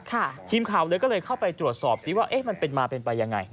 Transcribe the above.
ทีมข่าวเลยก็เลยเข้าไปตรวจสอบซิว่าเอ๊ะมันเป็นมาเป็นไปยังไง